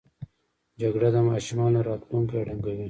جګړه د ماشومانو راتلونکی ړنګوي